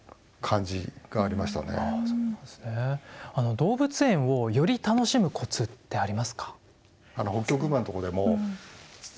動物園をより楽しむコツってありますか？